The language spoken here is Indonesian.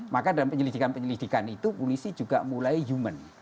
maka dalam penyelidikan penyelidikan itu polisi juga mulai human